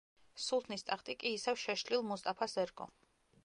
სულთნის ტახტი კი ისევ შეშლილ მუსტაფას ერგო.